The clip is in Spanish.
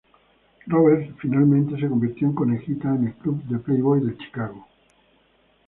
Roberts finalmente se convirtió en Conejita en el Club de Playboy del Chicago.